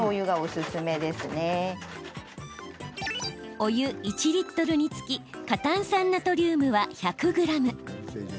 お湯１リットルにつき過炭酸ナトリウムは１００ｇ。